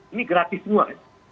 ini gratis semua kan